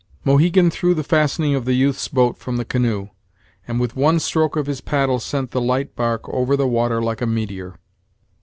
Mohegan threw the fastening of the youth's boat from the canoe, and with one stroke of his paddle sent the light bark over the water like a meteor.